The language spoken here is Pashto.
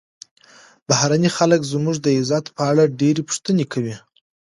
بهرني خلک زموږ د عزت په اړه ډېرې پوښتنې کوي.